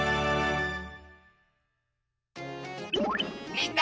みんな！